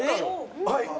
はい。